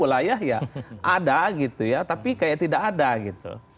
wilayah ya ada gitu ya tapi kayak tidak ada gitu